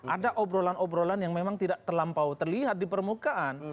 ada obrolan obrolan yang memang tidak terlampau terlihat di permukaan